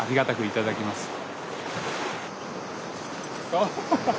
アハハハッ。